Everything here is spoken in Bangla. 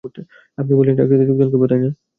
আপনি বলছেন, চাকরিতে যোগদান করব।